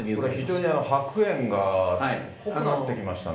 非常に白煙が濃くなってきましたね。